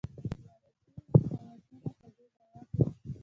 ناراضي قوتونه په دې باور وه.